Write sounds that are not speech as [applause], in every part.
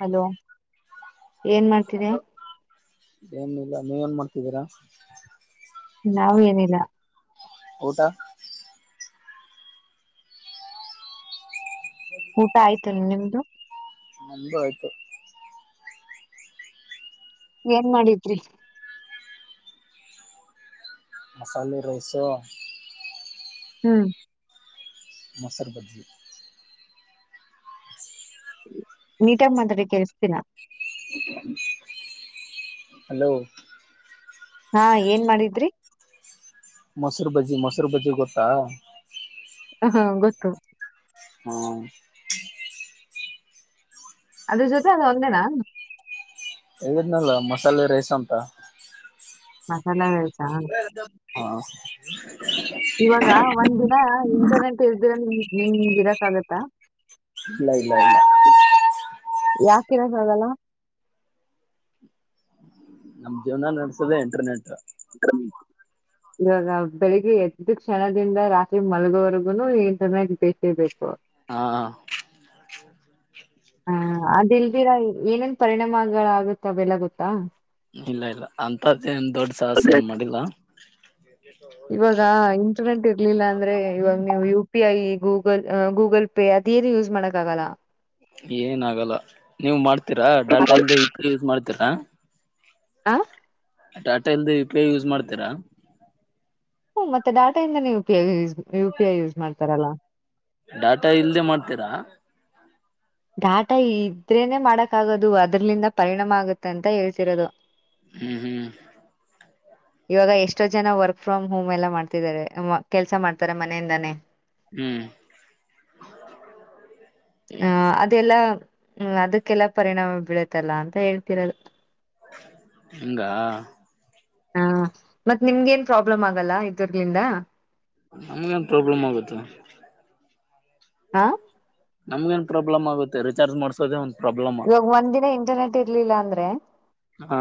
Hello ಏನ್ ಮಾಡ್ತಿರ? ಏನ್ ಇಲ್ಲ, ನೀವೇನು ಮಾಡುತ್ತಿದ್ದೀರಾ? ನಾವು ಏನಿಲ್ಲ. ಊಟ? ಊಟ ಆಯ್ತು, ನಿಮ್ದು? ನಮ್ದು ಆಯ್ತು. ಏನ್ ಮಾಡಿದ್ರಿ? ಮಸಾಲೆ ರೈಸು ಹ್ಮ್ ಮೊಸರು ಬಜ್ಜಿ ನೀಟಾಗಿ ಮಾತಾಡಿ ಕೆಲಿಸ್ತಿಲ್ಲ. ಹಲೋ ಹಾ ಏನ್ ಮಾಡಿದ್ರಿ? ಮೊಸರು ಬಜ್ಜಿ, ಮೊಸರು ಬಜ್ಜಿ ಗೊತ್ತಾ? ಹ ಹಾ ಗೊತ್ತು. ಹ್ಮ ಅದ್ರ ಜೊತೆ ಅದು ಒಂದೇನ? ಹೇಳಿದೆನಲ್ಲ ಮಸಾಲೆ ರೈಸ್ ಅಂತ. ಮಸಾಲ ರೈಸ್. ಹದ ಹಾ ಇವಾಗ ಒಂದ್ ದಿನ ಇಂಟರ್ನೆಟ್ ಎಲ್ದಿರ ನಿಮ್ಗ್ ಇರಕ್ ಆಗತ್ತಾ? ಇಲ್ಲ ಇಲ್ಲ ಇಲ್ಲ. ಯಾಕೆ ಇರಕ್ ಆಗಲ್ಲ? ನಮ್ ಜೀವನ ನಡಿಸೋದೆ ಇಂಟರ್ನೆಂಟ್. ಇವಾಗ ಬೆಳಿಗ್ಗೆ ಎದ್ದ ಕ್ಷಣದಿಂದ ರಾತ್ರಿ ಮಲ್ಗೋವರೆಗುನು ಇಂಟರ್ನೆಟ್ ಬೇಕೆಬೇಕು. ಹಾ ಹಾ ಅದಲ್ದಿರಾ ಏನೇನ್ ಪರಿಣಾಮಗಳ ಆಾಗುತ್ತ ಎಲ್ಲ ಗೊತ್ತಾ? ಇಲ್ಲ ಇಲ್ಲ ಅಂತದ್ದ ಏನ್ ದೊಡ್ ಸಾಹಸ ಅದೇ ಏನ್ ಮಾಡಿಲ್ಲ. ಇವಾಗ ಇಂಟರ್ನೆಟ್ ಇರ್ಲಿಲ್ಲ ಅಂದ್ರೆ ಇವಾಗ ನೀವು P I Google Google pay ಅದ ಏನು ಯೂಸ್ ಮಾಡಕ್ಕ ಆಗಲ್ಲ ಏನ ಆಗಲ್ಲ ನೀವು ಮಾಡ್ತ ತಿರಾ ಡಾಟಾ ಇಲ್ದೆ ಯು ಪಿ ಐ ಯೂಸ್ [unintelligible] ಹಾ. ಡೇಟಾ ಇಲ್ದ ಯು ಪಿ ಐ ಯೂಸ್ ಮಾಡ್ತೀರಾ ಹ್ಮ ಮತ್ತೆ ಡೇಟಾ ಇಂದನೇ U P I use U P I use ಮಾಡ ತರಲ್ಲ ಡೇಟಾ ಇಲ್ದೆೇ ಮಾಡ್ತೀರಾ ಡಾಟಾ ಇದ್ರೇನೆ ಮಾಡಕ್ ಆಗೋದು ಅದ್ರಲಿಂದ ಪರಿಣಾಮ ಆಗತ್ತೆ ಅಂತ ಹೇಳ್ತಿರೋದು. ಹ್ಮ್ ಹ್ಮ್ ಇವಾಗ ಎಷ್ಟೋ ಜನ ವರ್ಕ್ ಫ್ರಮ್ ಹೋಮ್ ಎಲ್ಲ ಮಾಡ್ತಿದ್ದಾರೆ ಕೆಲ್ಸ ಮಾಡ್ತಾರೆ ಮನೆಯಿಂದಾನೇ ಹ್ಮ್ ಹ ಅದೆಲ್ಲ್ಮ ಅದಕ್ಕೆಲ್ಲ ಪರಿಣಾಮ ಬೀಳತ್ತಲ್ಲ ಅಂತ ಹೇಳ್ತಿರದು ಹಂಗ ಹಾ ಮತ್ ನಿಮ್ಗೇಏನ್ ಪ್ರಾಬ್ಲಮ್ ಆಗಲ್ಲ ಇದರ್ಲಿಂದ ನಮ್ಗ ಏನ್ ಪ್ರಾಬ್ಲಮ್ ಆಗುತ್ತೆ ಹಾ ನಮಗೇನ ಪ್ರಾಬ್ಲಮ್ ಆಗುತ್ತೆ ರಿಚಾರ್ಜ್ ಮಾಡಸೋದೇ ಒಂದು ಇವಾಗ ಒಂದ್ ದಿನ ಇಂಟರ್ನೆಟ್ ಇರ್ಲಿಲ್ಲ ಅಂದ್ರೆ [unintelligible] ಹಾ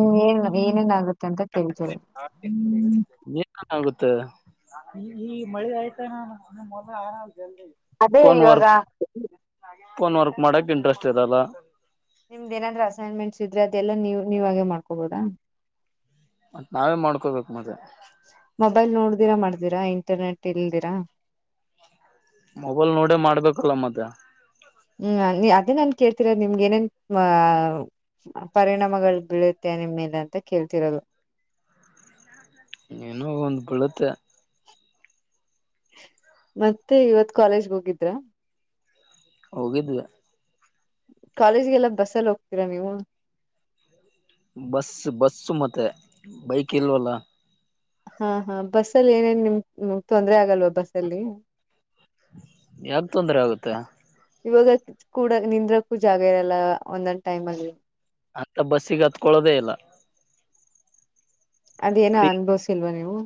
ಇನ್ ಏನ್ ಏನೇನ್ ಆಗುತ್ತೆ ಅಂತ ಕೇಳ್ತಿರೋದು ಈ ಈ ಮಳೆ ಆಯ್ತಾ [unintelligible] ಆರ ಅದೇ ಇವಾಗ ಫೋನ್ ವರ್ಕ್ ಮಾಡಕ್ ಇಂಟ್ರೆಸ್ಟ್ ಇರಲ್ಲ ನಿಮ್ದ ಏನಾದ್ರರು ಅಸೈನ್ಮೆಂಟ್ಸ್ ಇದ್ರೆ ಅದೆಲ್ಲಾ ನೀವು ನೀವ್ ಹಾಗೆ ಮಾಡ್ಕೊಬೋದಾ ಮತ್ತ ನಾವೇ ಮಾಡ್ಕೋಬೇಕು ಮತ್ತೆ ಮೊಬೈಲ್ ನೋಡ್ದಿರಾ ಮಾಡ್ತ [unintelligible] ಇಂಟರ್ನೆಟ್ ಇಲ್ದಿರಾ ಮೊಬೈಲ್ ನೋಡೇ ಮಾಡ್ಬೇಕಲ್ಲ ಮತ್ತೆ ಹ್ಮ್ ಅದೇ ನಾನ್ ಕೇಳ್ತಿರೋದು ನಿಮ್ಗೆ ಏನೇನ್ ಮ ಪರಿಣಾಮಗಳು ಬೀಳತ್ತೆ ನಿಮ್ಮೇಲೆ ಅಂತ ಕೇಳ್ತಿರೋದು. ಏನೋ ಒಂದು ಬೀಳತ್ತೆ ಮತ್ತೆ ಇವತ್ತ್ ಕಾಲೇಜ್ಗ್ ಹೋಗಿದ್ರ? ಹೋಗಿದ್ವೆ ಕಾಲೇಜ್ಗೆಲ್ಲ ಬಸ್ಸಲ್ಲಿ ಹೋಗ್ತೀರಾ ನೀವು? ಬಸ್ ಬಸ್ಸು ಮತ್ತೆ ಬೈಕ್ ಇಲ್ವಲ್ಲ. ಹಾ ಹಾ ಬಸ್ಸ ಅಲ್ಲಿ ಏನೇನ್ ನಿಮ್ ತೊಂದ್ರೆ ಆಗಲ್ವಾ ಬಸ್ಸಲ್ಲಿ. ಯಾಕ್ ತೊಂದ್ರೆ ಆಗುತ್ತೆ. ಇವಾಗ ಕೂಡ ನಿಂದ್ರಕ್ಕೂ ಜಾಗ ಇರಲ್ಲ ಒಂದೊಂದ್ ಟೈಮ್ ಅಲ್ಲಿ ಅಂತ ಬಸ್ಸಿಗ್ ಹತ್ಕೊಳ್ಳೋದೇ ಇಲ್ಲ. ಅದೇನ ಫ್ರೀ ಅನ್ಬವ್ಸಿಲ್ವಾ ನೀವು?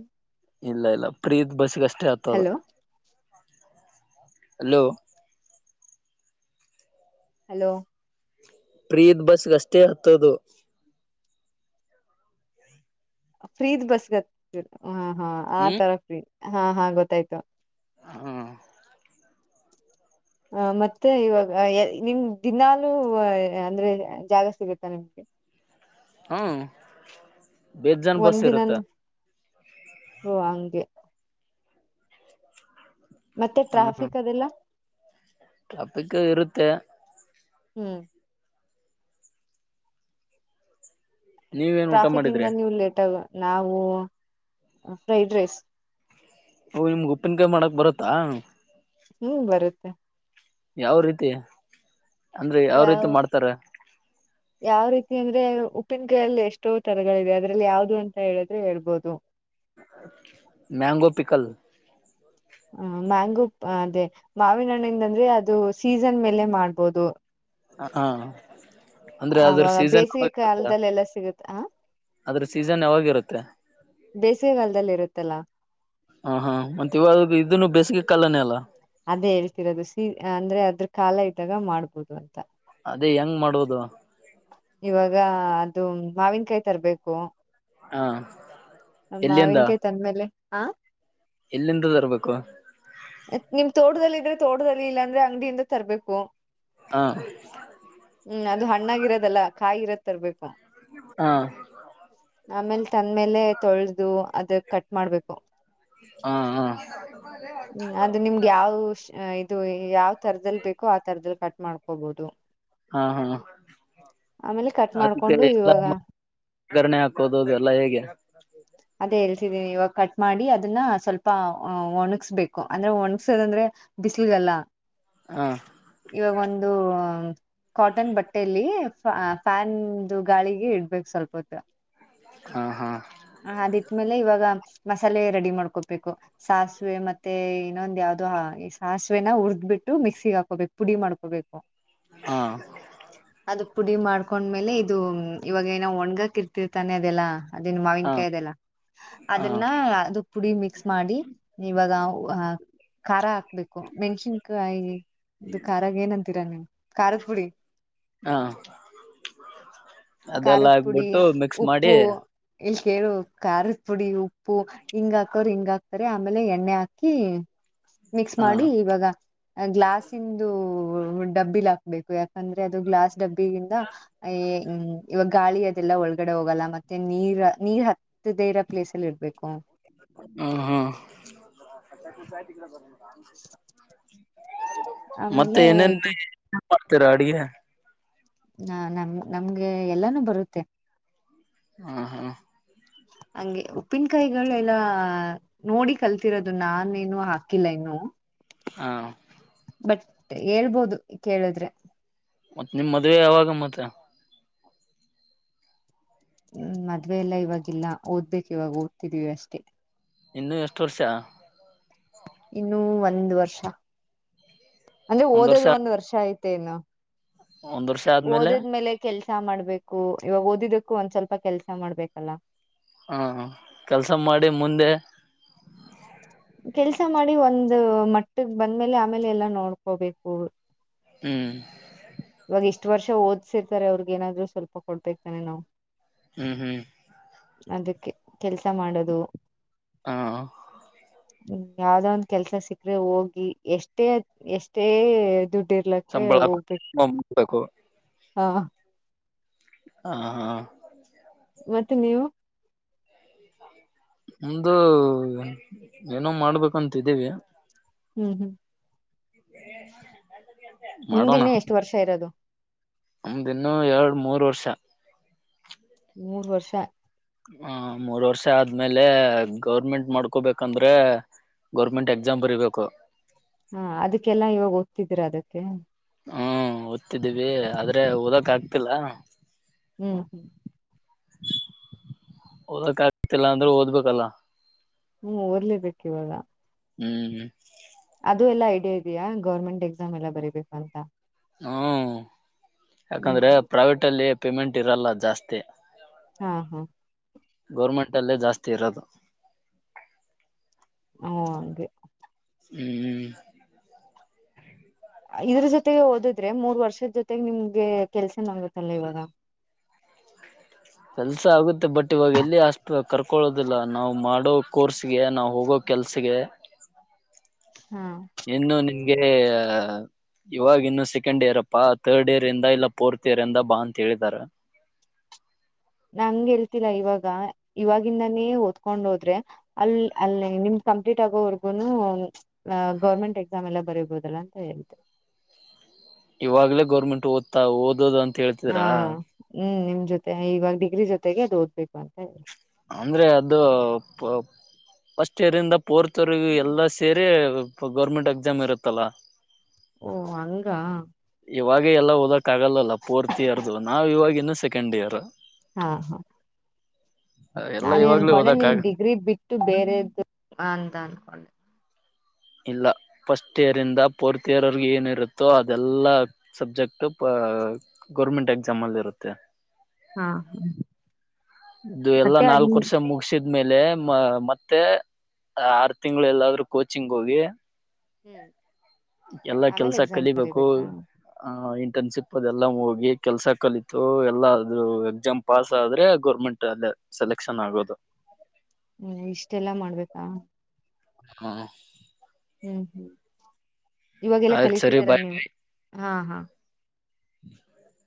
ಇಲ್ಲ ಇಲ್ಲ ಪ್ರೀತ್ ಬಸ್ಗೆ ಅಷ್ಟೇ ಹತೋದು ಹಲೋ ಹಲೋ ಹಲೋ ಪ್ರೀತ್ ಬಸ್ಗೆ ಅಷ್ಟೇ ಹತ್ತದು ಫ್ರೀದ್ ಬಸ್ಗತ್ [unintelligible] ಹಾ ಹಾ ಆ ಹ್ಮ್ ತರಫೀ ಹಾ ಹಾ ಗೊತ್ತಾಯ್ತು ಹಾ ಹ ಮತ್ತೆ ಇವಾಗ ನಿಮ ದಿನಾಲೂ ಅಂದ್ರೆ ಜಾಗ ಸಿಗತ್ತಾ ನಿಮ್ಗೆ ಹಾಂ ಬೆಜ್ಜಾನ್ ಬಸ್ ಇರುತ್ತೆ ಓ ಹಂಗೆ ಮತ್ತೆ ಟ್ರಾಫಿಕ್ ಅದೆಲ್ಲ ಟ್ರಾಫಿಕ್ ಇರುತ್ತೆ ಹ್ಮ್ ನೀವೇನ್ ಊಟ ಟ್ರಾಫಿಕ್ ಇಂದ ಮಾಡಿದ್ರಿ ನೀವು ಲೇಟ್ ಆಗ.. ನಾವು ಫ್ರೈಡ್ ರೈಸ್ ಓ ನಿಮ್ಗ್ ಉಪ್ಪಿನ್ ಕಾಯಿ ಮಾಡಕ್ ಬರತ್ತಾ ಹ್ಮ್ ಬರುತ್ತೆ ಯಾವ ರೀತಿ ಅಂದ್ರೆ ಯಾವು ಯಾವ ರೀತಿ ಮಾಡ್ತಾರೆ ಯಾವ ರೀತಿ ಅಂದ್ರೆ ಉಪ್ಪಿನ ಕಾಯಿಯಲ್ಲಿ ಎಷ್ಟೋ ತರಗಳಿವೆ ಅದ್ರಲ್ಲಿ ಯಾವುದು ಅಂತ ಹೇಳಿದ್ರೆ ಹೇಳ್ಬೋದು ಮ್ಯಾಂಗೋ ಪಿಕಲ್ ಹ ಮ್ಯಾಂಗೋ ಅದೇ ಮಾವಿನ ಹಣ್ಣಿಂದ ಅಂದ್ರೆ ಅದು ಸೀಸನ್ ಮೇಲೆ ಮಾಡ್ಬೋದು ಹಾ ಅಂದ್ರೆ ಅದ್ರ ಅವಾಗ ಸೀಸನ್ ಬೇಸಿಗೆ ಯಾವರುತ್ತ ಕಾಲದಲ್ಲೆಲ್ಲ ಸಿಗುತ್ತ ಆ ಅದ್ರ ಸೀಸನ್ ಯಾವಾಗಿರುತ್ತೆ ಬೇಸಿಗೆಕಾಲ್ದಲ್ಲಿ ಇರುತ್ತಲ್ಲಾ ಹ ಹಾ ಮತ್ತತ್ ಇವಾಗ ಇದನ್ನು ಬೇಸಿಗೆ ಕಾಲನೆ ಅಲ್ಲಾ ಅದೇ ಹೇಳ್ತಿರೋದು ಸ ಅಂದ್ರೆ ಅದ್ರ ಕಾಲ ಇದ್ದಾಗ ಮಾಡ್ಬೋದು ಅ.. ಅದೇ ಹೆಂಗ್ ಮಾಡೋದು ಇವಾಗ ಅದು ಮಾವಿನಕಾಯಿ ತರಬೇಕು ಹಾ [unintelligible] ಎಲ್ಲಿಂದ ಮಾವಿನಕಾಯಿ ತಂದ ಮೇಲೆ ಆ ಎಲ್ಲಿಂದ ಬರುರ್ಬೇಕು ಮತ್ ನಿಮ್ದು ತೋಟದಲ್ಲಿ ಇದ್ರೆ ತೋಟದಲ್ಲಿ ಇಲ್ಲಾ ಅಂದ್ರೆ ಅಂಗಡಿಯಿಂದ ತರ್ಬೇಕು ಹಾ ಹ್ಮ್ ಅದು ಹಣ್ಣಾಗಿ ಇರೋದಲ್ಲಾ ಕಾಯಿ ಇರೋದು ತರರ್ಬೇಕು ಹಾ ಆಮೇಲೆ ತಂದ್ಮೇಲೆ ತೊಳೆದು ಅದ ಕಟ್ ಮಾಡ್ಬೇಕು ಹಾ ಹಾ ಹ್ಮ್ ಅದು ನಿಮ್ಗೆ ಯಾವ.. ಅ ಇದು ಯಾವ್ ತರದಲ್ಲಿ ಬೇಕೋ ಆ ತರದಲ್ಲಿ ಕಟ್ ಮಾಡ್ಕೋಬಹುದು ಹಾ ಹಾ ಆಮೇಲೆ ಕಟ್ ಮಾಡ್ಕೊಂಡು ಇವಾಗ.. ಕರಣೆ ಹಾಕೋದು ಅದ ಎಲ್ಲ ಹೇಗೆ ಅದೇ ಹೇಳ್ತಿದೀನಿ ಇವಾಗ ಕಟ್ ಮಾಡಿ ಅದನ್ನ ಸ್ವಲ್ಪ ಒಣಗ್ಸ್ಬೇಕು ಅಂದ್ರೆ ಒಣಗ್ಸೋದಂದ್ರೆ ಬಿಸಿಲೀಗಲ್ಲ ಹಾ ಇವಾಗೊಂದು.. ಕಾಟನ್ ಬಟ್ಟೇೆಯಲ್ಲಿ ಫ್ಯಾನ್ ಗಾಳಿಗೆ ಇಡ್ಬೇಕು ಸ್ವಲ್ಪ ಹೊತ್ತ ಹಾ ಹಾ ಹ ಅಡಿತ್ಮೇಲೆ ಇವಾಗ ಮಸಾಲೆ ರೆಡಿ ಮಾಡ್ಕೊಬೇಕು ಸಾಸಿವೆ ಮತ್ತೆ ಇನ್ನೊಂದ ಯಾವ್ದೋ ಸಾಸಿವೆನ ಹುರುಡ್ಬಿಟ್ಟು ಮಿಕ್ಸಿ ಹಾಕೋಬೇಕು ಪುಡಿ ಮಾಡ್ಕೋಬೇಕು ಹಾ ಅದು ಪುಡಿ ಮಾಡ್ಕೊಂಡ್ಮೇಲೆ ಇದು ಇವಾಗ ಏನ ಒಣ್ಗಾಕ ಇರ್ತಿರ್ತಾನೆ ಅದೆಲ್ಲಾ ಅದೇನ್ [unintelligible] ಹಾ ಹಾ ಅದನ್ನ ಅ ಪುಡಿ ಮಿಕ್ಸ್ ಮಾಡಿ ಇವಾಗ ಖಾರ ಹಾಕ್ಬೇಕು ಮೆಣ್ಸಿನ್ಕಾಯಿ ಖಾರ ಏನಂತೀರ ನೀ ಖಾರದ ಪುಡಿ ಹಾ ಅದೆಲ್ಲ ಖಾರದ ಪುಡಿ ಹಾಕ್ಬಿಟ್ಟು ಮಿಕ್ಸ್ ಮಾಡಿ ಉಪ್ಪು ಕೇಳ ಖಾರದ ಪುಡಿ ಉಪ್ಪು ಹಿಂಗ ಹಿಂಗ ಆಗ್ತಾರೆ ಹಿಂಗ ಹಾಕ್ತಾರೆ ಆಮೇಲೆ ಎಣ್ಣೆ ಹಾಕಿ ಮಿಕ್ಸ್ ಹಾ ಮಾಡಿ ಇವಾಗ. ಗ್ಲಾಸ್ ಇಂದು ಡಬ್ಬಿಲ್ ಹಾಕ್ಬೇಕು ಯಾಕ ಅಂದ್ರೆ ಅದು ಗ್ಲಾಸ್ ಡಬ್ಬಿಗಿಂದ ಎ ಹ್ಮ್ ಇವಾಗ ಗಾಳಿ ಅದೆಲ್ಲ ಒಳಗಡೆ ಹೋಗಲ್ಲ ಮತ್ತೆ ನೀರ ನೀಹ ದೇ ಇರೋ ಪ್ಲೇಸ್ಲ್ಲಿ ಇರಬೇಕು ಬ ಹ ಮತ್ತೆ ಆಮೇಲೆ ಇದು ಏನೇನ್ಐ ಹತರಾಡಿಿಯ ನಾ ನಮ ನಮ್ಗೆ ಎಲ್ಲಾನೂ ಬರುತ್ತೆ. ಹ ಹಾ ಹಂಗೆ ಉಪ್ಪಿನಕಾಯಿಗಳು ಎಲ್ಲ ನೋಡಿ ಕಲ್ತಿರೋದು ನಾನೇನು ಹಾಕಿಲ್ಲ ಏನು ಹಾ. ಬಟ್ ಹೇಳ್ಬೋದು ಕೇಳಿದ್ರೆ ಮತ್ತ ನಿ ಮದುವೆ ಯಾವಾಗ ಮತ್ತ ಹ್ಮ್ ಮದ್ವೆ ಎಲ್ಲಾ ಇವಾಗಿಲ್ಲ ಓದ್ಬೇಕು ಇವಾಗ ಓದ್ತಿದ್ವಿ ಅಷ್ಟೇ ಇನ್ನು ಎಷ್ಟ್ಟರ್ಷ ಇನ್ನು ಒಂದು ವರ್ಷ ಅಂದ್ರೆ ಓದೋದು ಒಂದು ವರ್ಷ ಆಯ್ತು ತೇನು. ಒಂದ್ ವರ್ಷ ಆದ್ಮೇಲೆ. ಕೆಲಸ ಮಾಡ್ಬೇಕು ಇವಾಗ ಓದಿದಕ್ಕೂ ಒಂದ್ ಸ್ವಲ್ಪ ಕೆಲ್ಸ ಮಾಡ್ಬೇಕಲ್ಲ. ಹಾ ಕೆಲ್ಸ ಮಾಡಿ ಮುಂದೆ. ಕೆಲ್ಸ ಮಾಡಿ ಒಂದ ಮಟ್ಟಗ್ ಬಂದ್ಮೇಲೆ ಆಮೇಲೆ ಎಲ್ಲಾ ನೋಡ್ಕೋಬೇಕು. ಹ್ಮ್. ಇವಾಗ ಇಷ್ಟ ವರ್ಷ ಓದ್ಸಿರ್ತಾರೆ ಅವ್ರಗ ಏನಾದ್ರು ಸ್ವಲ್ಪ ಕೊಡ್ಬೇಕೇಕ್ತಾನೆ ನಾವ್. ಹ್ಮ್ ಹ್ಮ್. ಅದಕ್ಕೆ ಕೆಲ್ಸ ಮಾಡೋದು. ಹಾ. ಹ್ಮ್ ಯಾವ್ದ ಒಂದ್ ಕೆಲ್ಸ ಸಿಕ್ಕ್ರೆ ಹೋಗಿ ಎಷ್ಟೇ ಎಷ್ಟೇ ದುಡ್ಡು. ಇರ್ಲಕ್ಕ ಹೋಗ್ಬೇಕು. ಕ ಹಾ. ಹ ಹಾ. ಮತ್ತೆ ನೀವು. ನಮ್ದು ಏನೋ ಮಾಡ್ಬೇಕಂತಿದ್ದೀವಿ ಹ್ಮ್ ಹ್ಮ್ [inaudible] ಹಿಂದಿನೇ ಎಷ್ಟು ವರ್ಷ ಇರೋದು ನಮ್ದ ಇನ್ನು ಎರಡು ಮೂರ್ ವರ್ಷ ಮೂರು ವರ್ಷ ಹ ಮೂರ್ ವರ್ಷ ಆದ್ಮೇಲೆ ಗೌರ್ಮೆಂಟ್ ಮಾಡ್ಕೊಬೇಕಂದ್ರೆ ಗೌರ್ಮೆಂಟ್ ಎಕ್ಸಾಮ್ ಬರಿಬೇಕು ಹಾ ಅದಕ್ಕೆಲ್ಲಾ ಇವಾಗ ಓದ್ತಿದೀರ ಅದಕ್ಕೆ ಹ್ಮ್ ಓದ್ತಿದ್ದೀವಿ ಆದ್ರೆ ಓದಕ ಆಗ್ತಿಲ್ಲ ಹ್ಮ್ ಹ್ಮ್ ಓದಕ್ಕ ಆಗ್ತಿಲ್ಲ ಅಂದ್ರೆ ಓದ್ಬೇಕಲ್ಲ ಹ್ಮ್ ಓದಲೇಬೇಕ ಇಿವಾಗ ಹ್ಮ್ ಹ್ಮ್ ಇದೆಯಾ ಗೌರ್ಮೆಂಟ್ ಎಕ್ಸಾಮ್ ಎಲ್ಲ ಬರೀಬೇಕು ಅಂತ ಹ್ಮ್ ಹ್ಮ್ ಯಾಕಂದ್ರೆ ಹ್ಮ್ ಪ್ರೈವೇಟ್ ಅಲ್ಲಿ ಪೇಮೆಂಟ್ ಇರಲ್ಲ ಜಾಸ್ತಿ ಹಾ ಹಾ ಗೌರ್ಮೆಂಟ್ ಅಲ್ಲೇ ಜಾಸ್ತಿ ಇರೋದು ಹ್ಮ ಅ ಹ್ಮ್್ಮ ಇದ್ರ ಜೊತೆಗೆ ಓದಿದ್ರೆ ಮೂರ್ ವರ್ಷದ ಜೊತೆಗೆ ನಿಮ್ಗೆ ಕೆಲ್ಸ ನಗುತ್ತಲ್ಲ ಇವಾಗ ಕೆಲ್ಸ ಆಗುತ್ತೆ ಬಟ್ ಇವಾಗ ಎಲ್ಲಿ ಅಷ್ಟು ಕರ್ಕೊಳೋದಿಲ್ಲ ನಾವ್ ಮಾಡೋ ಕೋರ್ಸ್ಗೆ ನಾವ್ ಹೋಗೋ ಕೆಲ್ಸಗೆ ಹಾ ಇನ್ನು ನಿನ್ ಹಾಗಗೆ ಇವಾಗ ಇನ್ನು ಸೆಕೆಂಡ್ ಇಯರ್ ಅಪ್ಪಾ ಥರ್ಡ್ ಇಯರ್ ಇಂದ ಇಲ್ಲ ಫೋರ್ತ್ ಇಯರ್ ಇಂದ ಬಾ ಅಂತ ಹೇಳಿದಾರ ನಂಗಗೆ ಹೇಳ್ತಿಲ್ಲ ಇವಾಗ ಇವಾಗಿಂದಾನೇ ಓದ್ಕೊಂಡ್ ಹೋದ್ರೆ ಅಲ್ ಅಲ್ಲಿ ನಿಮ್ ಕಂಪ್ಲೀಟ್ ಆಗೋವರ್ಗುನು ಗೌರ್ಮೆಂಟ್ ಎಕ್ಸಾಮ್ ಎಲ್ಲ ಬರಿಬೋದಲ್ಲ ಅಂತ ಹೇಳ್ತ ಇವಾಗಲೇ ಗೌರ್ಮೆಂಟ್ ಓದ್ತಾ ಓದೋದಂತ ಹಾ ಹ್ಮ್ ನಿಮ್ ಜೊತೆ ಇವಾಗ ಡಿಗ್ರಿ ಜೊತೆ ತೆಗೆ ಓದ್ಬೇಕು ಅಂತ ಹೇಳ್ ಅಂದ್ರೆ ಅದು ಫಸ್ಟ್ ಇರಿಂದ ಪೋರ್ತವ್ರಗ ಎಲ್ಲ ಸೇರಿ ಸ್ವಲ್ಪ ಗೌರ್ಮೆಂಟ್ ಎಕ್ಸಾಮ್ ಇರತ್ತಲ್ಲ ಓ ಹಂಗ ಇವಾಗೆ ಎಲ್ಲ ಓದಕ್ ಆಗಲ್ಲ ಫೋರ್ತ್ ಇಯರ್ದು ನಾವವು ಇವಾಗ ಇನ್ನುೂ ಸೆಕೆಂಡ್ ಇಯರ್ ಹಾ ಹಾ ಎಲ್ಲಾ ನಾನೇ ಇವಾಗ್ಲೂ ಅನ್ಕೊಂಡೆ ಓದಕ್ ನಿಮ್ ಆಗ ಡಿಗ್ರಿ ಬಿಟ್ಟು ಬೇರೆದು ಅಂತ ಅನ್ಕೊಂಡೆ ಇಲ್ಲ ಫಸ್ಟ್ ಇಯರ್ ಇಂದ ಫೋರ್ತ್ ಇಯರ್ ವರ್ಗು ಏನಿರುತ್ತೋ ಅದೆಲ್ಲಾ ಸಬ್ಜೆಕ್ಟ್ ಆ ಗೌರ್ಮೆಂಟ್ ಎಕ್ಸಾಮ್ ಅಲ್ಲಿರುತ್ತೆ. ಆ ಹಾ ಇದು ಎಲ್ಲಾ ಮತ್ತೆ ಅದ ನಾಲ್ಕು ವರ್ಷ ಮುಗ್ಸಿದ್ ಆದ್ಮೇಲೆ ಮ ಮತ್ತೆ ಆರು ತಿಂಗಳ್ ಎಲ್ಲಾದ್ರೂ ಕೋಚಿಂಗ್ ಹೋಗಿ ಹ್ಮ್ ಎಲ್ಲಾ ಆಮೇಲೆ ಕೆಲ್ಸ ಎಕ್ಸಾಮ್ ಕಲಿಬೇಕು ಬರಿಬೇಕಾ ಆ ಇನ್ ಇಂಟರ್ನ್ಶಿಪ್ ಅದೆಲ್ಲ ಹೋಗಿ ಕೆಲ್ಸ ಕಲಿತು ಎಲ್ಲ ಆದ್ರೂ ಎಕ್ಸಾಮ್ ಪಾಸ್ ಆದ್ರೆ ಗೌರ್ಮೆಂಟ್ ಅಲ್ಲೆ ಸೆಲೆಕ್ಷನ್ ಆಗೋದು. ಹ್ಮ್ ಇಷ್ಟೆಲ್ಲಾ ಮಾಡ್ಬೇಕಾ ಹಾ ಹ. ಹ್ಮ್ ಹ್ಮ್. ಇವಾಗೆಲ್ಲ ಆಯ್ತ್ ಸರಿ ಬಾಯ್ ಕಲಿತಿದ್ದೀರಾ ನೀವು. ಹಾ ಹಾ. [inaudible]